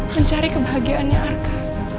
mencari kebahagiaannya arka